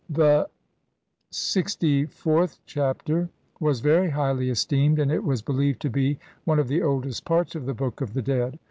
The LXIVth Chapter was very highly esteemed, and it was believed to be one of the oldest parts of the Book of the Dead.